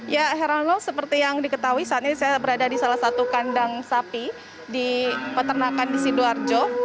ya herano seperti yang diketahui saat ini saya berada di salah satu kandang sapi di peternakan di sidoarjo